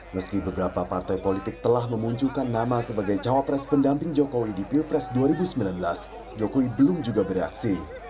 meski beberapa partai politik telah memunculkan nama sebagai cawapres pendamping jokowi di pilpres dua ribu sembilan belas jokowi belum juga bereaksi